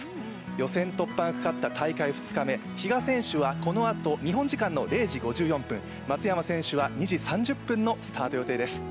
予選突破がかかった大会２日目比嘉選手はこのあと日本時間の０時５４分松山選手は２時３０分のスタート予定です。